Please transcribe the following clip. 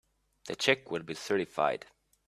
The check will be certified.